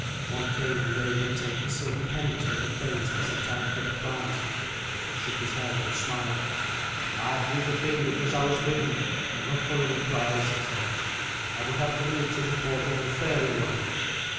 One came and bade him take the silver pennies that the thanes had set out for the prize, but he shook his head and smiled. "I threw the thing because I was bidden, and not for any prize," he said. "I would have it given to the porter who fairly won it."